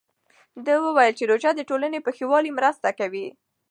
ده وویل چې روژه د ټولنې په ښه والي مرسته کوي.